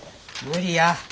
無理や。